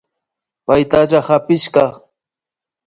Paytalla kapishpa